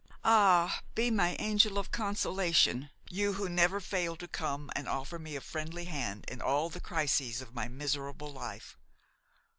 Ah! be my angel of consolation; you who never fail to come and offer me a friendly hand in all the crises of my miserable life.